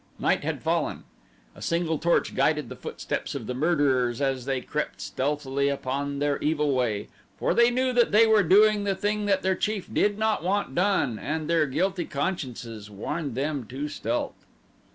Night had fallen. A single torch guided the footsteps of the murderers as they crept stealthily upon their evil way, for they knew that they were doing the thing that their chief did not want done and their guilty consciences warned them to stealth.